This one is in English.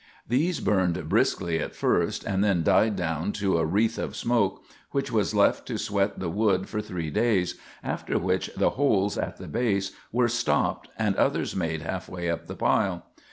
These burned briskly at first, and then died down to a wreath of smoke, which was left to sweat the wood for three days, after which the holes at the base were stopped and others made half way up the pile.